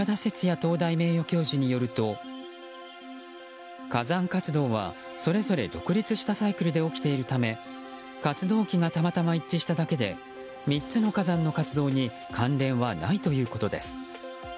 東大名誉教授によると火山活動は、それぞれ独立したサイクルで起きているため活動期がたまたま一致しただけで３つの火山の活動に関連はないということです。